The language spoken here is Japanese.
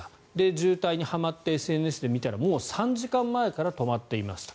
渋滞にはまってＳＮＳで見たらもう３時間前から止まっていますと。